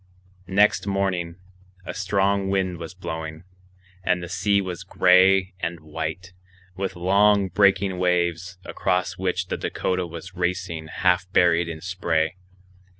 Next morning a strong wind was blowing, and the sea was gray and white, with long breaking waves, across which the Dakota was racing half buried in spray.